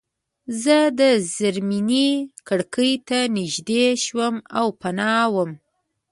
زه د زیرزمینۍ کړکۍ ته نږدې شوم او پناه وم